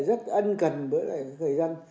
rất ân cần với người dân